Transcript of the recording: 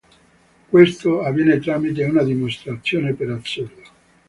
Questo avviene tramite una dimostrazione per assurdo.